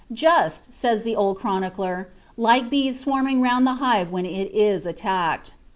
^ Just," says the old chronicler, ^ like bees swarming round the hive when it is attacked."